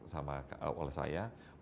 jadi saya sudah mengingatkan kepada bkpm